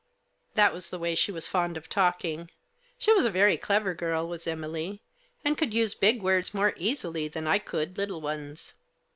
That was the way she was fond of talking. She was a very clever girl, was Emily, and could use big words more easily than I could little ones.